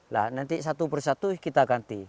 nah nanti satu persatu kita ganti